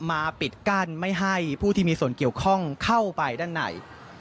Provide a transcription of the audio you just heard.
มาปิดกั้นไม่ให้ผู้ที่มีส่วนเกี่ยวข้องเข้าไปด้านใน